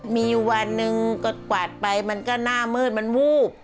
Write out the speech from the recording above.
มีวันหนึ่งก็กวาดไปมันก็หน้ามืดมันวูบ